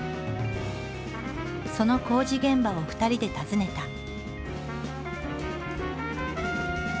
その工事現場を２人で訪ねた。